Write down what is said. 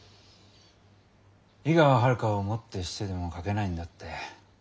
井川遥をもってしてでも書けないんだって